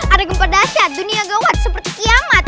ada gempa dasyat dunia gawat seperti kiamat